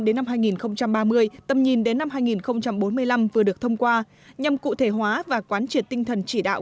đến năm hai nghìn ba mươi tầm nhìn đến năm hai nghìn bốn mươi năm vừa được thông qua nhằm cụ thể hóa và quán triệt tinh thần chỉ đạo